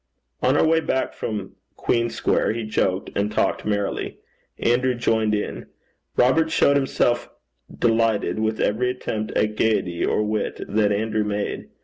On our way back from Queen Square, he joked and talked merrily. Andrew joined in. Robert showed himself delighted with every attempt at gaiety or wit that Andrew made.